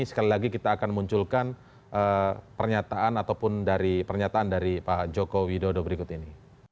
sekali lagi kita akan munculkan pernyataan ataupun dari pernyataan dari pak joko widodo berikut ini